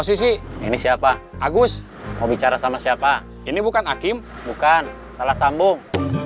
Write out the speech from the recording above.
posisi ini siapa agus mau bicara sama siapa ini bukan hakim bukan salah sambung